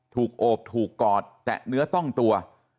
โอบถูกกอดแตะเนื้อต้องตัว